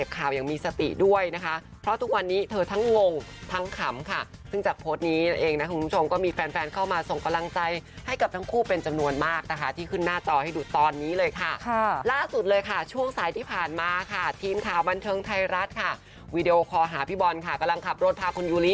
ข่าวยังมีสติด้วยนะคะเพราะทุกวันนี้เธอทั้งงงทั้งขำค่ะซึ่งจากโพสต์นี้นั่นเองนะคุณผู้ชมก็มีแฟนแฟนเข้ามาส่งกำลังใจให้กับทั้งคู่เป็นจำนวนมากนะคะที่ขึ้นหน้าจอให้ดูตอนนี้เลยค่ะล่าสุดเลยค่ะช่วงสายที่ผ่านมาค่ะทีมข่าวบันเทิงไทยรัฐค่ะวีดีโอคอลหาพี่บอลค่ะกำลังขับรถพาคุณยูริ